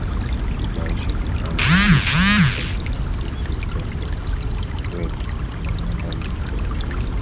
kibao chenye Amri sita kilikuwa kinahusu Upendo wetu kwa wanadamu wenzetu